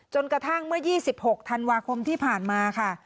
กระทั่งเมื่อ๒๖ธันวาคมที่ผ่านมาค่ะ